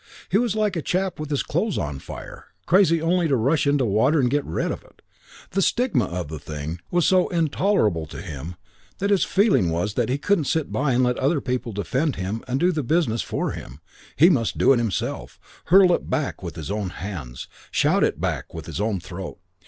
He was like a chap with his clothes on fire, crazy only to rush into water and get rid of it. The stigma of the thing was so intolerable to him that his feeling was that he couldn't sit by and let other people defend him and do the business for him; he must do it himself, hurl it back with his own hands, shout it back with his own throat.